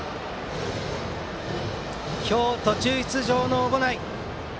今日途中出場の小保内。